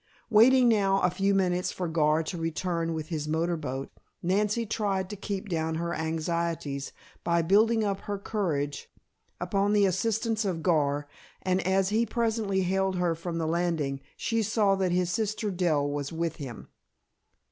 Waiting now a few minutes for Gar to return with his motor boat, Nancy tried to keep down her anxieties by building her courage upon the assistance of Gar, and as he presently hailed her from the landing, she saw that his sister Dell was with him.